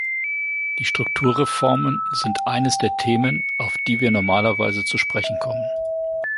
Die Strukturreformen sind eines der Themen, auf die wir normalerweise zu sprechen kommen.